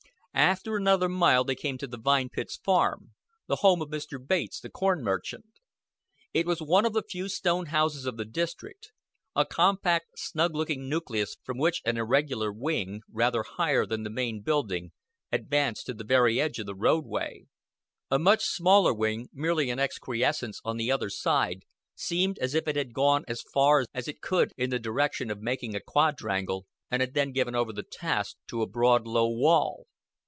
After another mile they came to Vine Pits Farm, the home of Mr. Bates the corn merchant. It was one of the few stone houses of the district, a compact snug looking nucleus from which an irregular wing, rather higher than the main building, advanced to the very edge of the roadway. A much smaller wing, merely an excrescence, on the other side, seemed as if it had gone as far as it could in the direction of making a quadrangle and had then given over the task to a broad low wall.